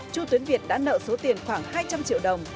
chu tuyến việt đã nợ số tiền khoảng hai trăm linh triệu đồng